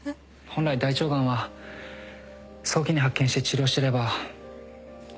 本来大腸がんは早期に発見して治療してれば９割以上は治ります。